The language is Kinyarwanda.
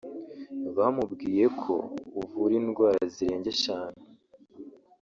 bamubwiye ko uvura indwara zirenga eshanu